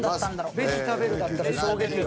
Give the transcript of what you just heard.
ベジたべるだったら衝撃よ。